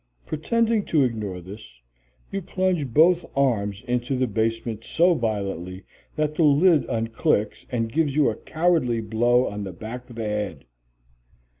Pretending to ignore this, you plunge both arms into the basement so violently that the lid unclicks and gives you a cowardly blow on the back of the head.